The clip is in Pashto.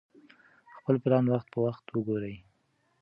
خپل پلان وخت په وخت وګورئ.